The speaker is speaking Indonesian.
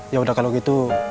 yaudah kalau gitu